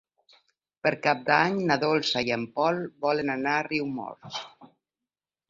Per Cap d'Any na Dolça i en Pol volen anar a Riumors.